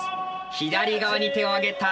左側に手を挙げた。